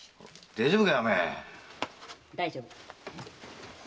大丈夫。